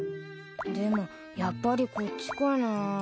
でもやっぱりこっちかな。